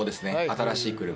新しい車。